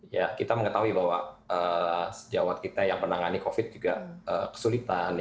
ya kita mengetahui bahwa sejawat kita yang menangani covid juga kesulitan